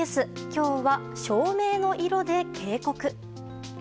今日は照明の色で警告。